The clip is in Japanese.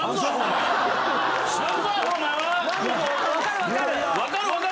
「分かる分かる」